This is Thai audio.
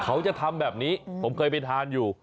เขาจะทำแบบนี้ผมเคยไปทานอยู่